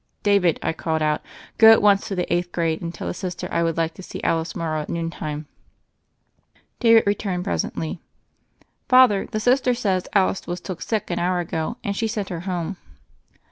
David," I called out, "go at once to the eighth grade and tell the Sister I would like to see Alice Morrow at noon time." David returned presently. "Father, the Sister says Alice was took sick an hour ago, and she sent her home."